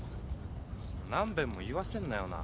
何遍も言わせんなよな。